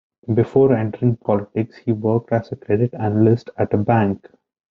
Before entering politics, he worked as a credit analyst at a bank.